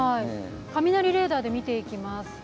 雷レーダーで見ていきます。